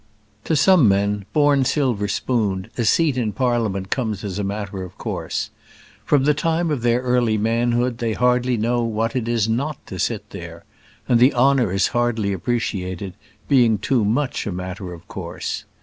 To some men, born silver spooned, a seat in Parliament comes as a matter of course. From the time of their early manhood they hardly know what it is not to sit there; and the honour is hardly appreciated, being too much a matter of course.